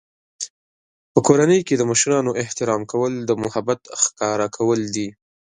په کورنۍ کې د مشرانو احترام کول د محبت ښکاره کول دي.